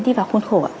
đi vào khuôn khổ